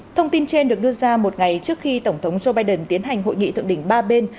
thông tin trên được đưa ra một ngày trước khi tổng thống joe biden tiến hành hội nghị thượng đỉnh ba bên